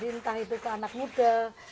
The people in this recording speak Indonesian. entah itu ke anak muda ke anak muda